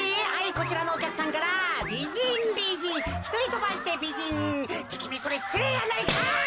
こちらのおきゃくさんからびじんびじんひとりとばしてびじんってきみそれしつれいやないかい！」。